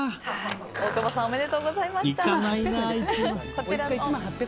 大久保さんおめでとうございました。